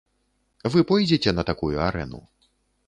Вы пойдзеце на такую арэну?